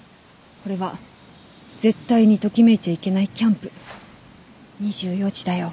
これは絶対にときめいちゃいけないキャンプ２４時だよ。